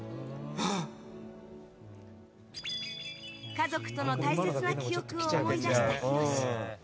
家族との大切な記憶を思い出したひろし。